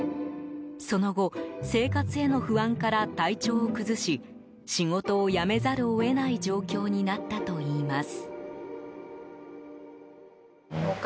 その後生活への不安から体調を崩し仕事を辞めざるを得ない状況になったといいます。